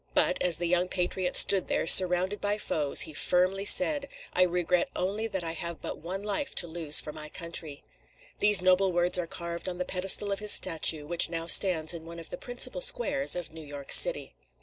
But as the young patriot stood there, surrounded by foes, he firmly said: "I regret only that I have but one life to lose for my country." These noble words are carved on the pedestal of his statue, which now stands in one of the principal squares of New York city.